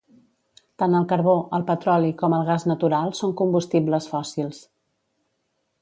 Tant el carbó, el petroli com el gas natural són combustibles fòssils.